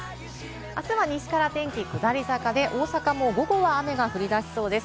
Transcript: あすは西から天気、下り坂で、大阪も午後は雨が降り出しそうです。